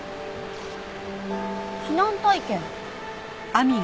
避難体験。